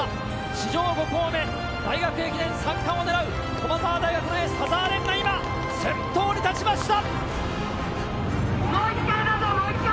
史上５校目、大学駅伝３冠を狙う駒澤大学のエース、田澤廉が今、先頭に立ちました！